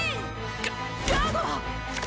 ガガード！